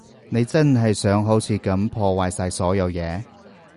你真係想好似噉破壞晒所有嘢？